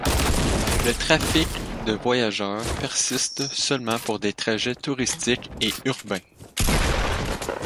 Le trafic de voyageurs persiste seulement pour des trajets touristiques et urbains.